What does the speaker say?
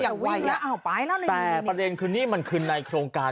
วิ่งอยากวิ่งแล้วอ้าวไปแล้วแต่ประเด็นคืนนี้มันคืนในโครงการ